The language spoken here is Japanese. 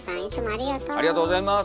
ありがとうございます。